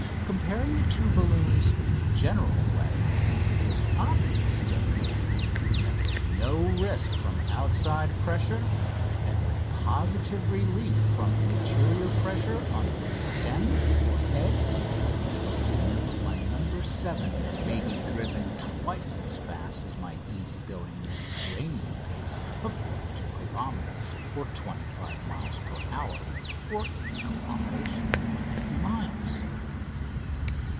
Comparing the two balloons in a general way, it is obvious, therefore, that with no risk from outside pressure, and with positive relief from interior pressure on its stem or head, the balloon of my "No. 7" may be driven twice as fast as my easy going Mediterranean pace of 42 kilometres (25 miles) per hour, or 80 kilometres (50 miles).